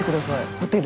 ホテル。